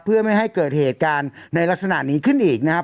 เพื่อไม่ให้เกิดเหตุการณ์ในลักษณะนี้ขึ้นอีกนะครับ